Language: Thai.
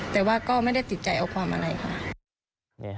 แต่ว่าก็ไม่ได้ติดใจเอาความอะไรค่ะ